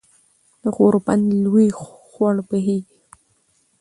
د غوربند لوے خوړ بهېږي